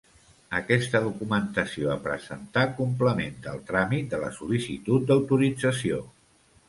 Aquesta documentació a presentar complementa al tràmit de la sol·licitud d'autorització.